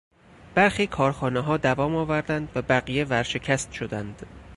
برخی کارخانهها دوام آوردند و بقیه ورشکست شدند.